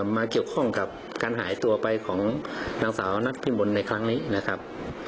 มาเกี่ยวข้องกับการหายตัวไปของนางสาวนัทพิมนต์ในครั้งนี้นะครับ